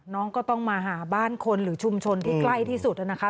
น้องก็ต้องมาหาบ้านคนหรือชุมชนที่ใกล้ที่สุดนะคะ